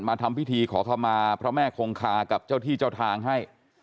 ทำพิธีขอเข้ามาพระแม่คงคากับเจ้าที่เจ้าทางให้